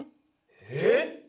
えっ！？